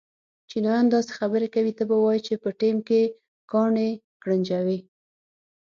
چینایان داسې خبرې کوي ته به وایې چې په ټېم کې کاڼي گړنجوې.